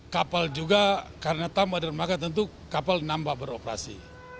kapal juga karena tambah dermaga tentu kapal nambah beroperasi